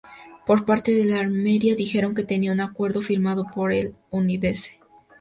Por parte del Almería dijeron que tenían un acuerdo firmado por el Udinese.